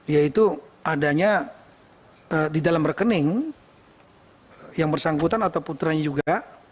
yaitu adanya di dalam rekening yang bersangkutan atau putranya juga